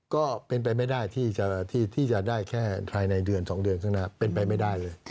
ก็เป็นไปไม่ได้ที่จะได้แค่ภายในเดือน๒เดือนข้างหน้าเป็นไปไม่ได้เลย